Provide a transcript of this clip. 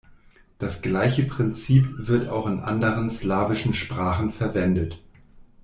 Das gleiche Prinzip wird auch in anderen slawischen Sprachen verwendet.